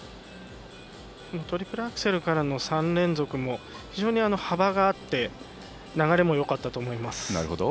トリプルアクセルからの３連続も非常に幅があって流れもよかったと思います。